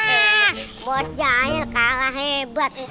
hah bos jail kalah hebat